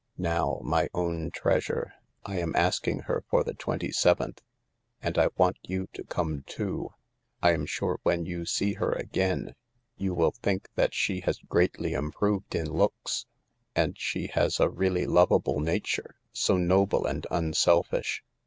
Now, my own treasure, I am asking her for the twenty seventh, and I want you to come too. I am sure when you see her again you will think she has greatly improved in looks. And she has a really lovable nature, so noble and unselfish.